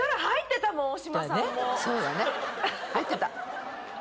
入ってた。